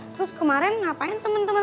terus kemarin ngapain temen temen